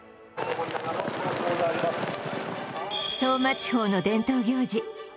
相馬地方の伝統行事